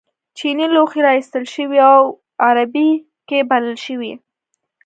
چینی لوښي را ایستل شوي او عربي کښتۍ بلل شوي.